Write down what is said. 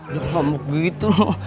lu ngambek gitu lu